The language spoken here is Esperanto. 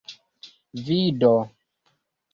vido